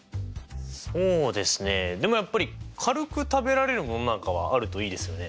そうですねでもやっぱり軽く食べられるものなんかはあるといいですよね。